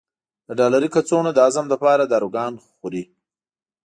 د ډالري کڅوړو د هضم لپاره داروګان خوري.